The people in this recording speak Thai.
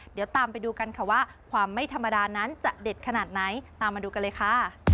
เดี๋ยวตามไปดูกันค่ะว่าความไม่ธรรมดานั้นจะเด็ดขนาดไหนตามมาดูกันเลยค่ะ